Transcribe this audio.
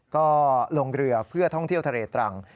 ก็ลงเรือเพื่อท่องเที่ยวทะเลตรัง